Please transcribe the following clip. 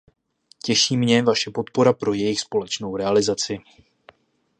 Těší mě vaše podpora pro jejich společnou realizaci.